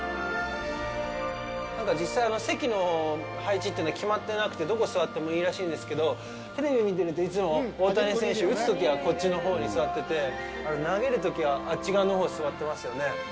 実際、席のほう、配置というのは決まってなくて、どこへ座ってもいいらしいんですけど、テレビを見てると、いつも大谷選手、打つときはこっちのほうに座ってて、投げるときはあっち側のほうへ座ってますよね。